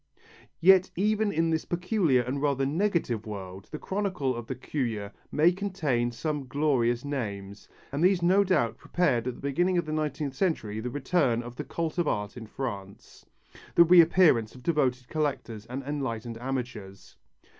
Yet even in this peculiar and rather negative world the chronicle of the curieux may contain some glorious names, and these no doubt prepared at the beginning of the nineteenth century the return of the cult of art in France, the reappearance of devoted collectors and enlightened amateurs.